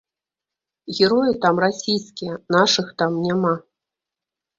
Героі там расійскія, нашых там няма.